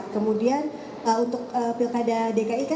kemudian untuk pilkada dki